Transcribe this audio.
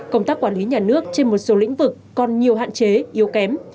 công tác quản lý nhà nước trên một số lĩnh vực còn nhiều hạn chế yếu kém